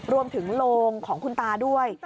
รวมถึงโรงของคุณตาด้วย